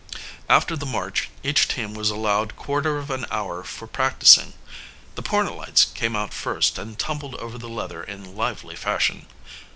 After the march each team was allowed quarter of an hour for practicing. The Pornellites came out first and tumbled over the leather in lively fashion.